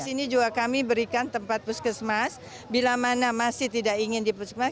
ini juga kami berikan tempat puskesmas bila mana masih tidak ingin di puskesmas